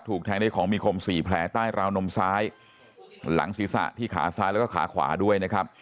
แทงด้วยของมีคมสี่แผลใต้ราวนมซ้ายหลังศีรษะที่ขาซ้ายแล้วก็ขาขวาด้วยนะครับ